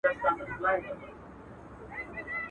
د حاکم سترگي له قهره څخه سرې سوې.